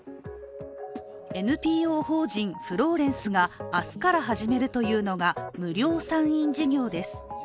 ＮＰＯ法人フローレンスが明日から始めるというのが無料産院事業です。